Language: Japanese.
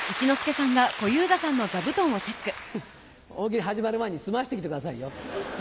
大喜利始まる前に済ましてきてくださいよ。